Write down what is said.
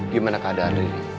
gimana keadaan riri